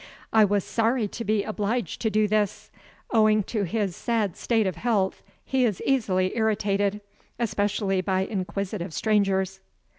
I was sorry to be obliged to do this. Owing to his sad state of health, he is easily irritated especially by inquisitive strangers.